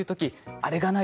あれがない